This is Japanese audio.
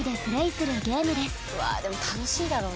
うわでも楽しいだろうな。